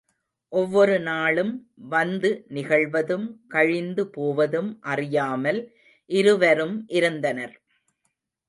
ஒவ்வொரு நாளும் வந்து நிகழ்வதும் கழிந்து போவதும் அறியாமல் இருவரும் இருந்தனர்.